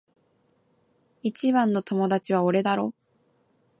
一番の友達は俺だろ？